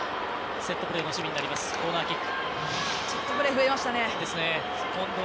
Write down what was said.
セットプレーの守備になります、コーナーキック。